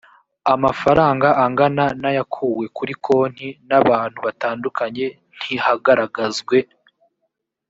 amafaranga angana na yakuwe kuri konti n abantu batandukanye ntihagaragazwe